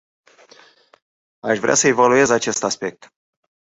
Aș vrea să evaluez acest aspect.